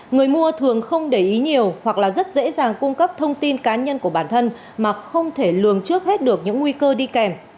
người mua thường không để ý nhiều hoặc là rất dễ dàng cung cấp thông tin cá nhân của bản thân mà không thể lường trước hết được những nguy cơ đi kèm